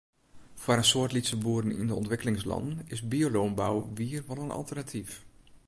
Foar in soad lytse boeren yn de ûntwikkelingslannen is biolânbou wier wol in alternatyf.